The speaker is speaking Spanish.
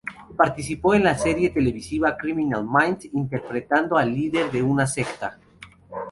Participó en la serie televisiva "Criminal Minds" interpretando al líder de una secta.